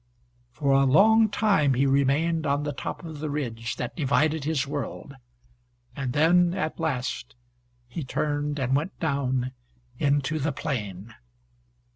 For a long time he remained on the top of the ridge that divided his world. And then, at last, he turned and went down into the plain.